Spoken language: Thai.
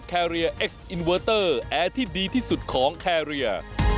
ที่ดีที่สุดของแคเรีย